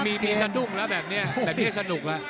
มีสะดุ้งแบบนี้แบบนี้สะนุกละ